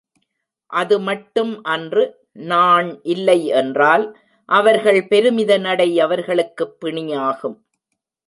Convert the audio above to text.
அது மட்டும் அன்று நாண் இல்லை என்றால் அவர்கள் பெருமித நடை அவர்களுக்குப் பிணியாகும்.